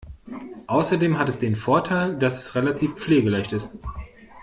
Außerdem hat es den Vorteil, dass es relativ pflegeleicht ist.